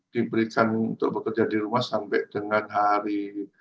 diberikan untuk bekerja di rumah sampai dengan hari